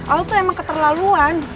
al itu emang keterlaluan